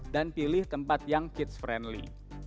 dan pilih tempat yang kids friendly